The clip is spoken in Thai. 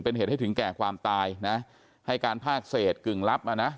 เป็นเหตุให้ถึงแก่ความตายนะให้การภาคเศษกึ่งลับมานะ